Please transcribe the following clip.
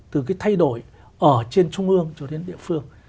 từ cái thay đổi ở trên trung ương cho đến địa phương